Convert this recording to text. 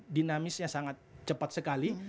dinamisnya sangat cepat sekali